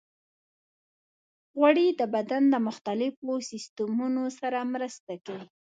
غوړې د بدن د مختلفو سیستمونو سره مرسته کوي.